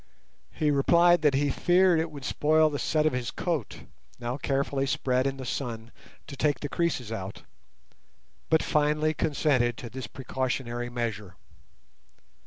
He replied that he feared it would spoil the set of his coat, now carefully spread in the sun to take the creases out, but finally consented to this precautionary measure.